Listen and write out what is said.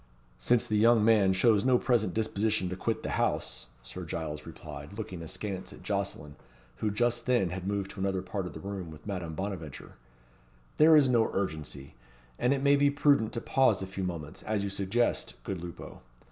"Since the young man shows no present disposition to quit the house," Sir Giles replied, looking askance at Jocelyn, who just then had moved to another part of the room with Madame Bonaventure, "there is no urgency; and it may be prudent to pause a few moments, as you suggest, good Lupo.